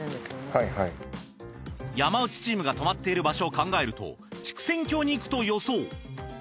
山内チームが泊まっている場所を考えると竹仙郷に行くと予想。